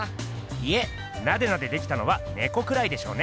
いえナデナデできたのはねこくらいでしょうね。